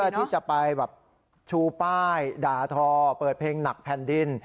ที่จะไปแบบชูป้ายด่าทอเปิดเพลงหนักแผ่นดิน